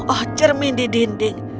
oh cermin di dinding